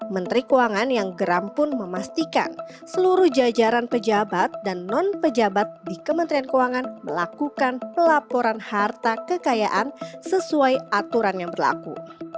menteri keuangan yang geram pun memastikan seluruh jajaran pejabat dan non pejabat di kementerian keuangan melakukan pelaporan harta kekayaan sesuai aturan yang berlaku